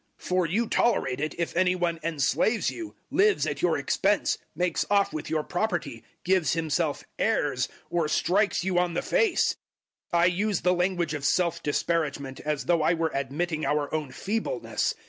011:020 For you tolerate it, if any one enslaves you, lives at your expense, makes off with your property, gives himself airs, or strikes you on the face. 011:021 I use the language of self disparagement, as though I were admitting our own feebleness.